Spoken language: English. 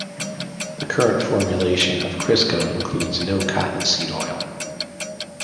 The current formulation of Crisco includes no cottonseed oil.